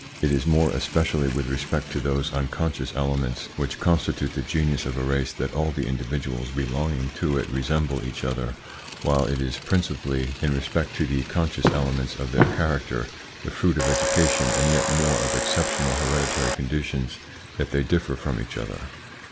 It is more especially with respect to those unconscious elements which constitute the genius of a race that all the individuals belonging to it resemble each other, while it is principally in respect to the conscious elements of their character the fruit of education, and yet more of exceptional hereditary conditions that they differ from each other.